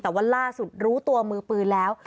แต่ว่าล่าสุดรู้ตัวมือปืนแล้ว